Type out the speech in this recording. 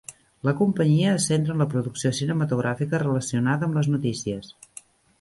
La companyia es centra en la producció cinematogràfica relacionada amb les notícies.